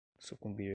sucumbir